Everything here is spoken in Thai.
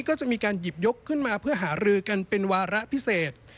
ก็จะมีการหยิบยกขึ้นมาเพื่อหารือกันเป็นวาระพิเศษ